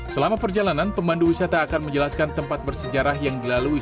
selama perjalanan pemandu wisata akan menjelaskan tempat bersejarah yang dilalui